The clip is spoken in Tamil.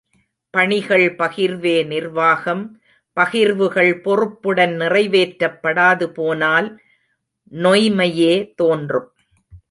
பணிகள் பகிர்வே நிர்வாகம் பகிர்வுகள் பொறுப்புடன் நிறைவேற்றப்படாது போனால் நொய்ம்மையே தோன்றும்.